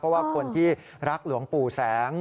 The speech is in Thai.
เพราะว่าคนที่รักหลวงปู่แสง